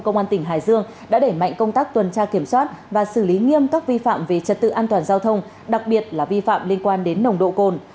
công an tỉnh hải dương đã đẩy mạnh công tác tuần tra kiểm soát và xử lý nghiêm các vi phạm về trật tự an toàn giao thông đặc biệt là vi phạm liên quan đến nồng độ cồn